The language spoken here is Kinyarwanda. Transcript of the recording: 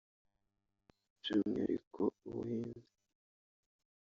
By’umwihariko ubuhinzi